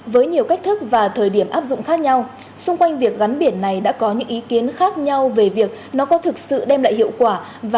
với nhiều cách thức và thời điểm áp dụng khác nhau xung quanh việc gắn biển này đã có những ý kiến khác nhau về việc nó có thực sự đem lại hiệu quả